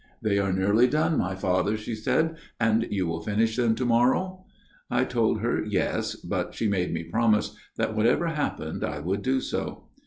"* They are nearly done, my Father,' she said, * and you will finish them to morrow ?'" I told her Yes, but she made me promise that whatever happened I would do so.